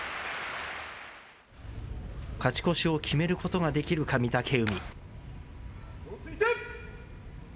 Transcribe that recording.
勝ち越しを決めることができるか、御嶽海。